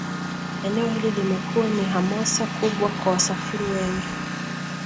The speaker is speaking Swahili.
Eneo hili limekuwa ni hamasa kubwa kwa wasafiri wengi